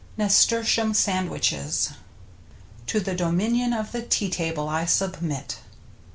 NASTURTIUM SANDWICHES To the dominion of the Tea table I submit.